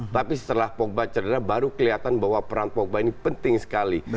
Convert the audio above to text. tapi setelah pogba cedera baru kelihatan bahwa peran pogba ini penting sekali